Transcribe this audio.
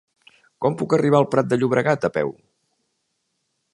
Com puc arribar al Prat de Llobregat a peu?